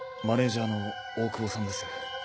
マネージャーの大久保さんです。